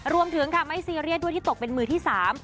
รวมถึงค่ะไม่ซีเรียสด้วยที่ตกเป็นมือที่สาม